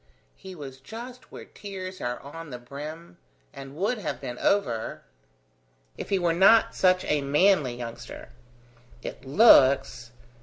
"He was just where tears are on the brim, and would have been over, if he were not such a manly youngster." "It looks.